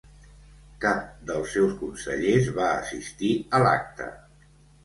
Cap dels seus consellers va assistir a l’acte.